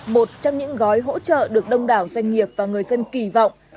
một trong những gói hỗ trợ được đông đảo doanh nghiệp và người dân kỳ vọng